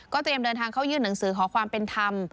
เตรียมเดินทางเข้ายื่นหนังสือขอความเป็นธรรม